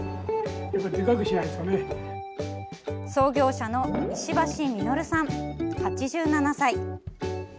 創業者の石橋實さん、８７歳。